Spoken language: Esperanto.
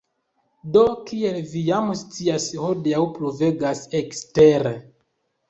Do, kiel vi jam scias hodiaŭ pluvegas ekstere